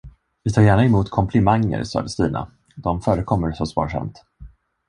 Vi tar gärna emot komplimanger, sade Stina, de förekommer så sparsamt.